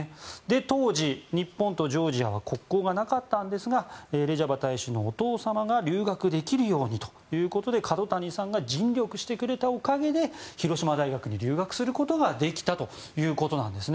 当時、日本とジョージアは国交がなかったんですがレジャバ大使のお父様が留学できるようにということで角谷さんが尽力してくれたおかげで広島大学に留学することができたということなんです。